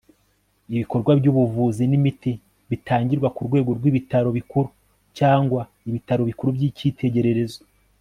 ibikorwa by'ubuvuzi n'imiti bitangirwa ku rwego rw'ibitaro bikuru cyangwa ibitaro bikuru by'ikitegererezo